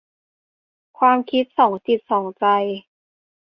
ความคิดสองจิตสองใจ